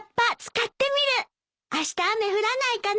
あした雨降らないかな。